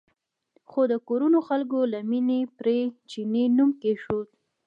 خو د کور خلکو له مینې پرې چیني نوم کېښود.